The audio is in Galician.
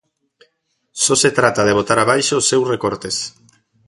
Só se trata de botar abaixo os seus recortes.